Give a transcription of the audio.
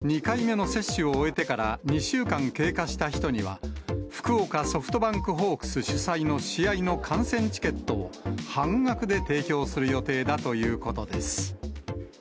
今後、接種が進めば、２回目の接種を終えてから２週間経過した人には、福岡ソフトバンクホークス主催の試合の観戦チケットを、半額で提供する予定だということです。